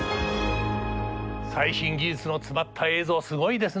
最新技術の詰まった映像すごいですね。